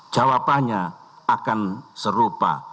jawabannya akan serupa